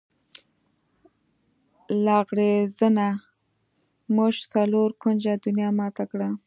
لغړزنیه! موږ څلور کونجه دنیا ماته کړه.